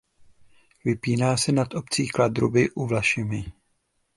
Vypíná se nad obcí Kladruby u Vlašimi.